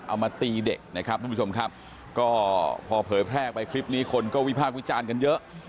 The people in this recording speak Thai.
เอามาตีเด็กนะครับทุกผู้ชมครับก็พอเผยแพร่ไปคลิปนี้คนก็วิพากษ์วิจารณ์กันเยอะ